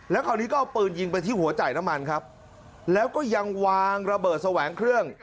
แล้วคราวนี้ก็เอาปืนยิงไปที่หัวจ่ายน้ำมันครับแล้วก็ยังวางระเบิดแสวงเครื่อง